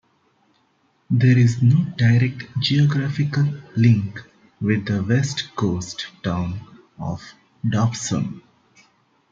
There is no direct geographical link with the West Coast town of Dobson.